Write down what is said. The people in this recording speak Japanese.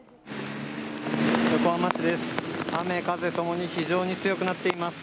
横浜市です。